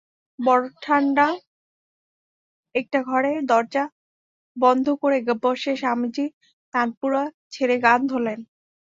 বড় ঠাণ্ডা, একটা ঘরে দরজা বন্ধ করে বসে স্বামীজী তানপুরা ছেড়ে গান ধরলেন।